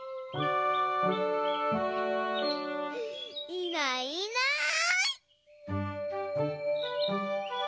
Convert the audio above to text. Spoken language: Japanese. いないいない。